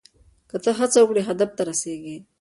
که ته هڅه وکړې هدف ته رسیږې.